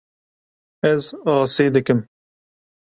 Ez asê dikim.